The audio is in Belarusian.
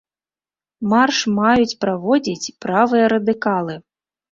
Марш маюць праводзіць правыя радыкалы.